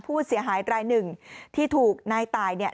ผู้เสียหายรายหนึ่งที่ถูกนายตายเนี่ย